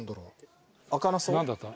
何だった？